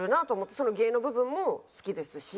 その芸の部分も好きですし。